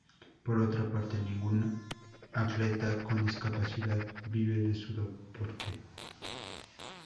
Por otra parte, ningún atleta con discapacidad vive de su deporte.